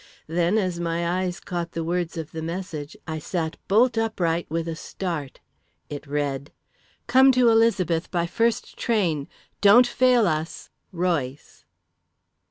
Then, as my eyes caught the words of the message, I sat bolt upright with a start. It read: "Come to Elizabeth by first train. Don't fail us." "ROYCE."